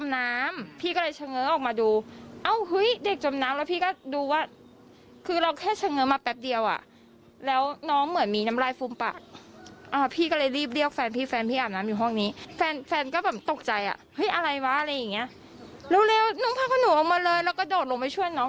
น้องแค่หนูออกมาเลยแล้วก็โดดลงไปช่วยน้อง